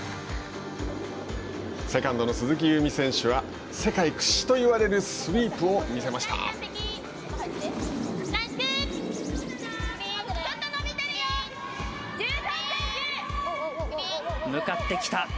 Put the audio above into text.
セカンド鈴木夕湖選手は世界屈指といわれるスイープを見せました。